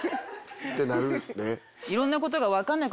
ってなるで。